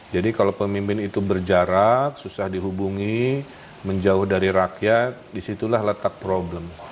jadi kalau pemimpin itu berjarak susah dihubungi menjauh dari rakyat disitulah letak problem